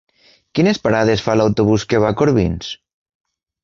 Quines parades fa l'autobús que va a Corbins?